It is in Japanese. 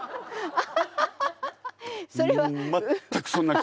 アハハハ。